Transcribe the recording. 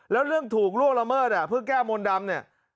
แล้วเรื่องถูกล่วงละเมิดเพื่อแก้มนต์ดำเนี่ย